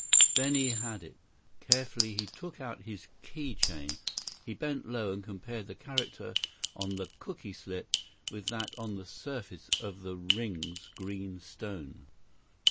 Then he had it. Carefully, he took out his key chain. He bent low, and compared the character on the cooky slip with that on the surface of the ring's green stone.